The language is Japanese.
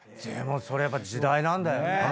それやっぱ時代なんだよね。